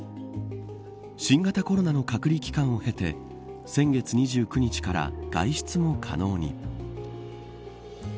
新型コロナの隔離期間を経て先月２９日から外出も可能に。